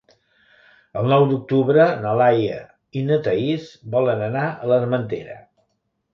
El nou d'octubre na Laia i na Thaís volen anar a l'Armentera.